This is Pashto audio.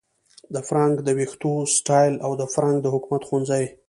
د فرانک د ویښتو سټایل او د فرانک د حکمت ښوونځي